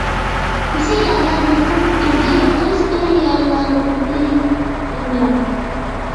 كۈسەيلەرگە داستان پۈتۈلدى، قىلىچ بىلەن يارالدى دۇنيا.